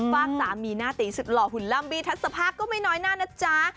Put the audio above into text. ฝากสามีหน้าตีสุดหล่อหุ่นล่ำบีทัศภาคก็ไม่น้อยหน้านะจ๊ะ